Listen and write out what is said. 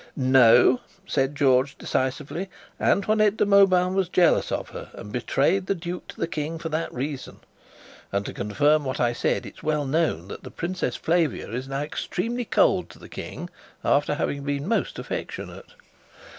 "No!" said George decisively, "Antoinette de Mauban was jealous of her, and betrayed the duke to the King for that reason. And, to confirm what I say, it's well known that the Princess Flavia is now extremely cold to the King, after having been most affectionate."